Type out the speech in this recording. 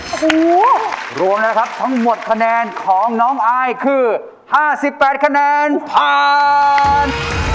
โอ้โหรวมแล้วครับทั้งหมดคะแนนของน้องอายคือ๕๘คะแนนผ่าน